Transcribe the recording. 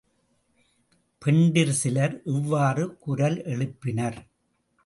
பெண்டிர் சிலர் இவ்வாறு குரல் எழுப்பினர்.